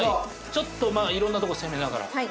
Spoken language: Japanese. ちょっとまあ色んなとこ攻めながら。